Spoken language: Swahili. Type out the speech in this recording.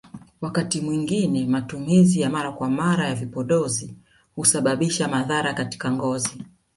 Wakati mwingine matumizi ya mara kwa mara ya vipodozi husababisha madhara katika ngozi